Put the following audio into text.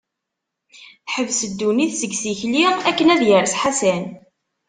Teḥbes ddunit seg tikli, akken ad yers Ḥasan.